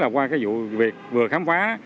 qua cái vụ việc vừa khám phá